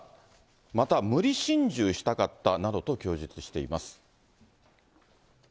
また無理心中したかったなどと供述しています。